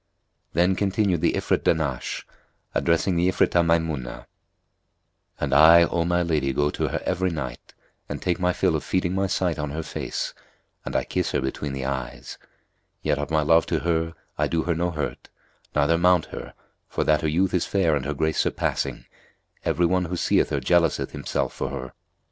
Then continued the Ifrit Dahnash, addressing the Ifritah Maymunah, "And I, O my lady go to her every night and take my fill of feeding my sight on her face and I kiss her between the eyes: yet, of my love to her, I do her no hurt neither mount her, for that her youth is fair and her grace surpassing: every one who seeth her jealouseth himself for her.